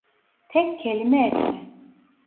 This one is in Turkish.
Tek kelime etme!